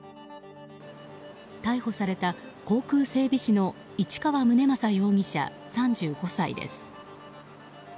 逮捕された航空整備士の市川宗将容疑者、３５歳です。